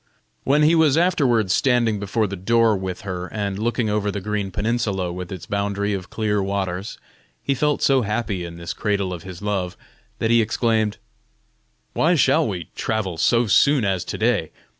When he was afterward standing before the door with her, and looking over the green peninsula with its boundary of clear waters, he felt so happy in this cradle of his love, that he exclaimed: "Why shall we travel so soon as to day?